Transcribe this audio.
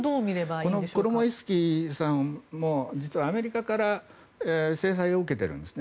このコロモイスキーさんも実はアメリカから制裁を受けているんですね。